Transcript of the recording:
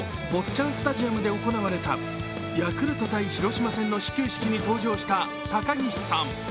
ちゃんスタジアムで行われたヤクルト×広島の始球式に登場した高岸さん。